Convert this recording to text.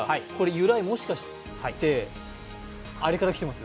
由来、もしかしてあれからきてます？